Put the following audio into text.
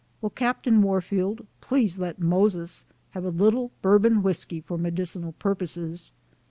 Will Capt. Wai field please let " Moses " have a little Bourbon whiskey for medicinal purposes.